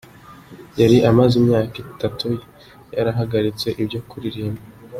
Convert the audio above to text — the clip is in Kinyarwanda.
Yari amaze imyaka atatu yarahagaritse ibyo kuririmba.